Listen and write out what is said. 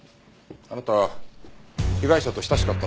あなた被害者と親しかったんですよね？